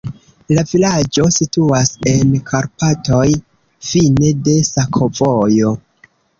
La vilaĝo situas en Karpatoj, fine de sakovojo.